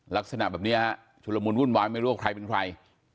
ลักษณะแบบนี้ฮะชุดละมุนวุ่นวายไม่รู้ว่าใครเป็นใคร